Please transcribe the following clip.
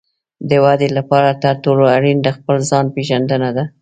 د ودې لپاره تر ټولو اړین د خپل ځان پېژندنه ده.